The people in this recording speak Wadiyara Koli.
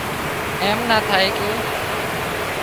ايم نا ٿائي ڪي